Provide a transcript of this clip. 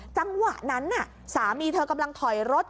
จังหวะนั้นสามีเธอกำลังถอยรถ